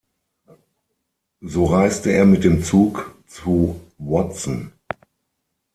So reiste er mit dem Zug zu Watson.